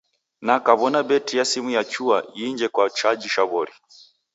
Na kaw'ona betri ya simu yachua, iinje kwa chaji shwaw'ori.